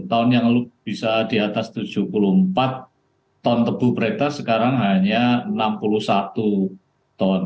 tahun yang lalu bisa di atas tujuh puluh empat ton tebu mereka sekarang hanya enam puluh satu ton